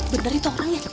benar itu orangnya